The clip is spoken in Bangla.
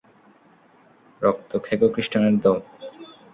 রক্তখেকো খ্রিষ্টানের দল!